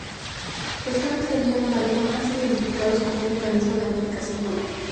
Los cambios del hielo marino han sido identificados como un mecanismo de amplificación polar.